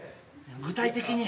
具体的に。